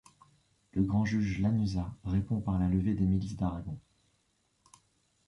Le grand juge Lanuza répond par la levée des milices d’Aragon.